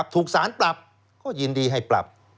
ถูกสารปรับก็ยินดีให้ปรับ